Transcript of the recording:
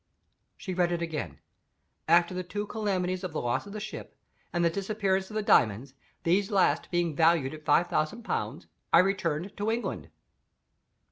She read it again: "After the two calamities of the loss of the ship, and the disappearance of the diamonds these last being valued at five thousand pounds I returned to England."